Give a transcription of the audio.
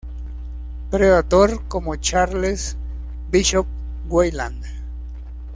Predator, como Charles Bishop Weyland.